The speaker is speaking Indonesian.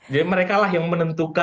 jadi mereka lah yang menangis itu ya